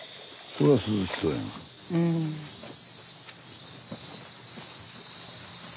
これは涼しそうやんか。